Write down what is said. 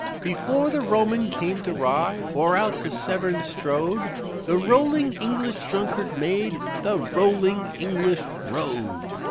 "Before the Roman came to Rye or out to Severn strode, The rolling English drimkard made the rolling English road.